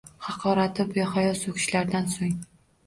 Haqoratu behayo so’kishlardan so’ng